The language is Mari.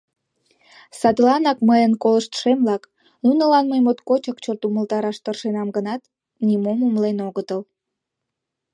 Садланак мыйын колыштшем-влак, нунылан мый моткочак чот умылтараш тыршенам гынат, нимом умылен огытыл.